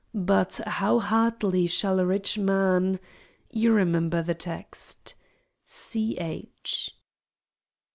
But "how hardly shall a rich man"—you remember the text.—C. H.